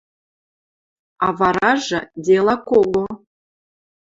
А варажы — дела кого